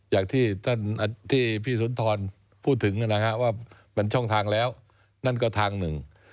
อย่างที่ท่านที่พี่สุนทรพูดถึงนะฮะว่ามันช่องทางแล้วนั่นก็ทางหนึ่ง